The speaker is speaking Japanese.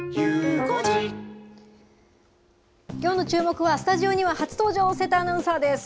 きょうのチューモク！はスタジオには初登場、瀬田アナウンサーです。